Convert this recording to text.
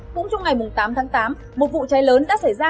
cũng trong ngày tám tháng tám một vụ cháy lớn đã xảy ra